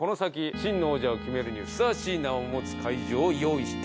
真の王者を決めるにふさわしい名を持つ会場を用意した。